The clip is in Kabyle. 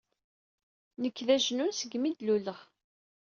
Nekk d ajnun seg mi d-luleɣ.